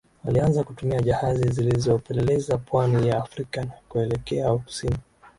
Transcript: Alianza kutuma jahazi zilizopeleleza pwani ya Afrika na kuelekea kusini